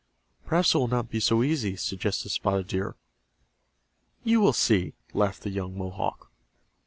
"Perhaps it will not be so easy," suggested Spotted Deer. "You will see," laughed the young Mohawk.